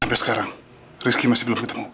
sampai sekarang rizky masih belum ketemu